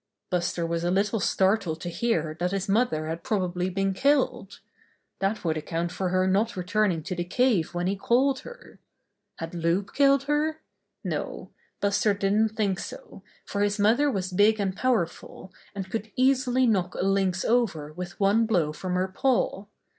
'^ Buster was a little startled to hear that his mother had probably been killed. That would account for her not returning to the cave when he called her. Had Loup killed her? No, Buster didn't think so, for his mother was big and powerful, and could easily knock a lynx over with one blow from her paw.